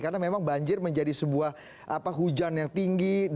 karena memang banjir menjadi sebuah hujan yang tinggi